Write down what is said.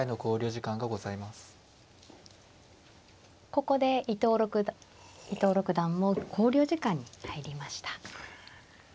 ここで伊藤六段も考慮時間に入りました。